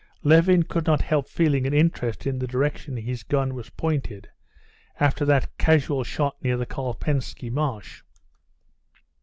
Levin could not help feeling an interest in the direction his gun was pointed, after that casual shot near the Kolpensky marsh.